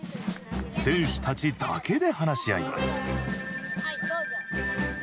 選手たちだけで話し合います。